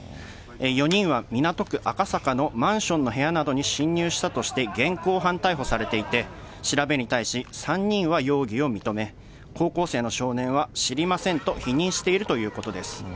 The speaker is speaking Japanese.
４人は港区赤坂のマンションの部屋などに侵入したとして現行犯逮捕されていて、調べに対し、３人は容疑を認め、高校生の少年は知りませんと否認しているということです。